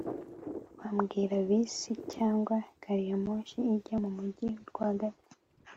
wambwira bisi cyangwa gariyamoshi ijya mu mujyi rwagati